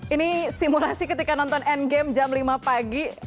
ini simulasi ketika nonton endgame jam lima pagi